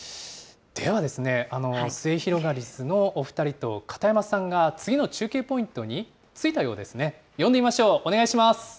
ではですね、すゑひろがりずのお２人と片山さんが次の中継ポイントに着いたようですね。